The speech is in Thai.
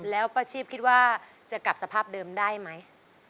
แล้วป้าชีพคิดว่าจะกลับสภาพเดิมได้ไหม